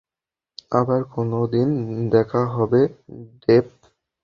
আবার কোনদিন দেখা হবে, ডেভ।